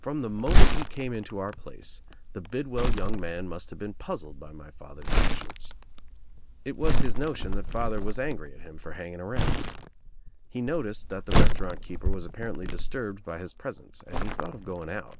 From the moment he came into our place the Bid i 58 THE TRIUMPH OF THE EGG well young man must have been puzzled by my father's actions. It was his notion that father was angry at him for hanging around. He noticed that the restau rant keeper was apparently disturbed by his presence and he thought of going out.